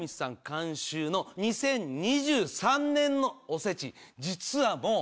監修の２０２３年のおせち実はもう。